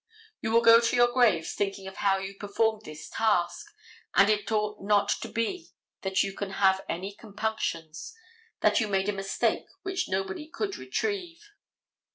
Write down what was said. You will go to your graves thinking of how you performed this task, and it ought not to be that you can have any compunctions that you made a mistake which nobody could retrieve.